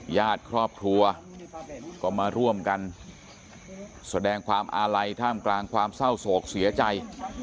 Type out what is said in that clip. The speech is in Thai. ญาติครอบครัวก็มาร่วมกันแสดงความอาลัยท่ามกลางความเศร้าโศกเสียใจ